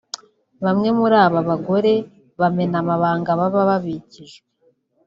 Bamwe muri aba bagore bamena amabanga baba babikijwe